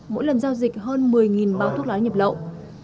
mỗi lần giao dịch hơn một mươi bao thuốc lá nhập lậu